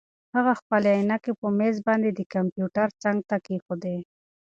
هغه خپلې عینکې په مېز باندې د کمپیوټر څنګ ته کېښودې.